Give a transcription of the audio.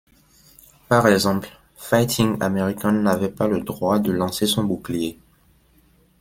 Par exemple, Fighting American n'avait pas le droit de lancer son bouclier.